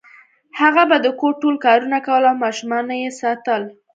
هغه به د کور ټول کارونه کول او ماشومان یې ساتل